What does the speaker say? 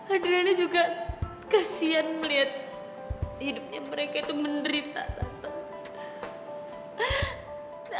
adriana juga kasihan melihat hidupnya mereka itu menderita tante